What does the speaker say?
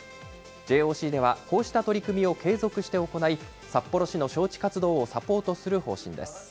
ＪＯＣでは、こうした取り組みを継続して行い、札幌市の招致活動をサポートする方針です。